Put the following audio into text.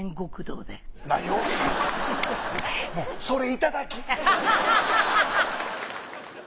それいただき！